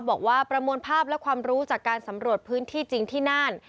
บอกว่าประมวลภาพและความรู้จากการสำรวจพื้นที่จริงที่น่าน